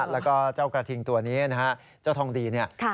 แล้วก็เจ้ากระทิงตัวนี้นะฮะเจ้าทองดีเนี่ย